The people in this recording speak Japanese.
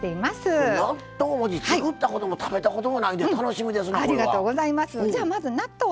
納豆もち作ったことも食べたこともないんで楽しみですなこれは。